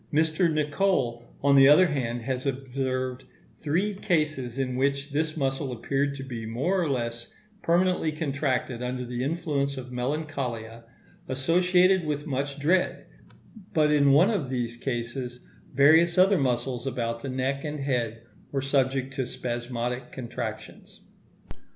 Mr. Nicol, on the other hand, has observed three cases in which this muscle appeared to be more or less permanently contracted under the influence of melancholia, associated with much dread; but in one of these cases, various other muscles about the neck and head were subject to spasmodic contractions.